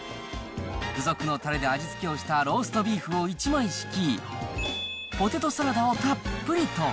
付属のたれで味付けをしたローストビーフを１枚敷き、ポテトサラダをたっぷりと。